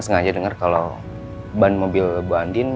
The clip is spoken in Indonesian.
speed sie nggak dapat perhatikan